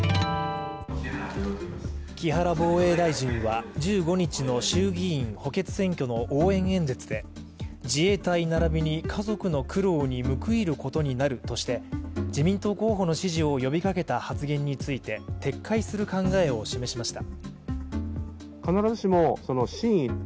木原防衛大臣は、１５日の衆議院補欠選挙の応援演説で、自衛隊ならびに家族の苦労に報いることになるとして自民党候補の支持を呼びかけた発言について撤回する考えを示しました。